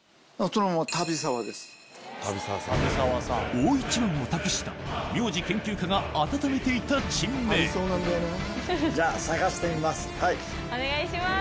大一番を託した名字研究家が温めていた珍名じゃあ探してみます。